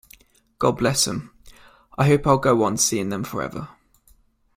God bless 'em, I hope I'll go on seeing them forever.